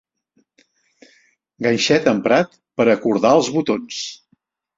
Ganxet emprat per a cordar els botons.